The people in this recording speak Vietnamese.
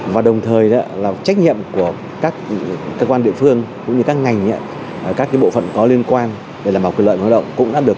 và đồng thời trách nhiệm của các cơ quan địa phương cũng như các ngành các bộ phận có liên quan để làm bảo quyền lợi của người lao động